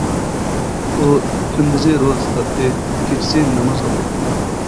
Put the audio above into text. ئۇ كۈندۈزى روزا تۇتاتتى، كېچىسى ناماز ئوقۇيتتى.